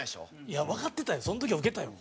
いやわかってたよその時はウケたよ。